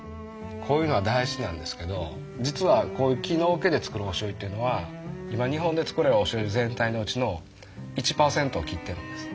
こういうのは大事なんですけど実はこういう木のおけで造るおしょうゆっていうのは今日本で造られるおしょうゆ全体のうちの１％を切ってるんです。